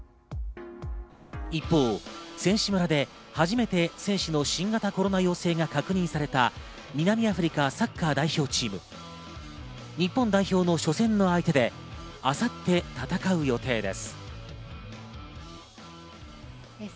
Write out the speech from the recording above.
一方、選手村で初めて選手の新型コロナ陽性が確認された、南アフリカサッカー代表チーム、日本代表の初戦の相手で、明後日戦う予定です。